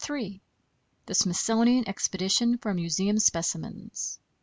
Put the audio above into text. THE SMITHSONIAN EXPEDITION FOR MUSEUM SPECIMENS.